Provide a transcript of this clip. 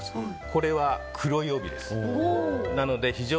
これは黒い帯です。